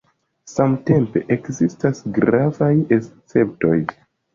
Samtempe, ekzistas gravaj esceptoj.